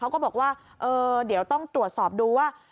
ก็บอกว่าเออเดี๋ยวต้องตรวจสอบดูว่า